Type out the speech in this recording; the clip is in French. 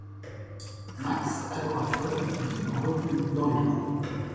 Max, agoraphobe, vit en reclus dans les bois.